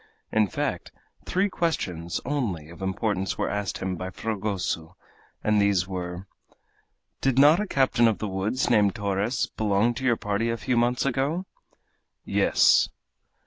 In fact, three questions only of importance were asked him by Fragoso, and these were: "Did not a captain of the woods named Torres belong to your party a few months ago?" "Yes."